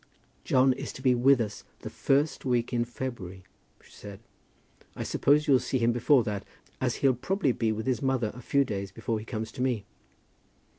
"John is to be with us the first week in February," she said. "I suppose you'll see him before that, as he'll probably be with his mother a few days before he comes to me."